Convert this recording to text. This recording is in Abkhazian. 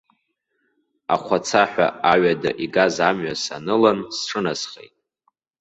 Ахәацаҳәа аҩада игаз амҩа санылан сҿынасхеит.